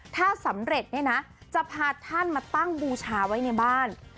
ถ้าสำเร็จเนี่ยนะจะพาท่านมาตั้งบูชาไว้ในบ้าน